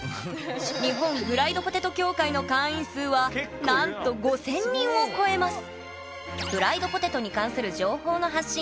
日本フライドポテト協会の会員数はなんと５，０００人を超えます